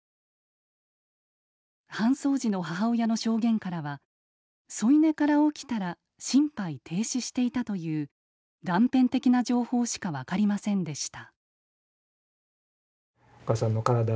搬送時の母親の証言からは添い寝から起きたら心肺停止していたという断片的な情報しか分かりませんでした。